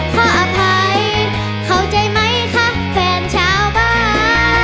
ขออภัยเข้าใจไหมคะแฟนชาวบ้าน